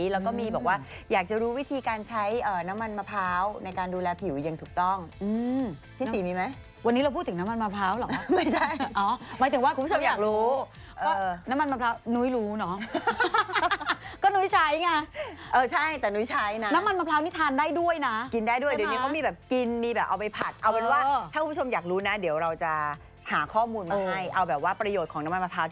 เราก็มีบอกว่าอยากจะรู้วิธีการใช้น้ำมันมะพร้าวในการดูแลผิวอย่างถูกต้อง